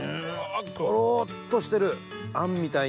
トロっとしてるあんみたいな。